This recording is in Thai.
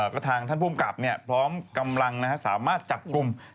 ก็ทางท่านภูมิกับพร้อมกำลังสามารถจับกลุ่ม